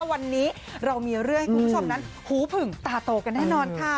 วันนี้เรามีเรื่องให้คุณผู้ชมนั้นหูผึ่งตาโตกันแน่นอนค่ะ